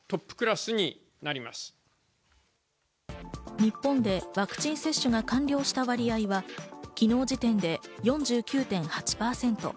日本でワクチン接種が完了した割合は昨日時点で４９．８％。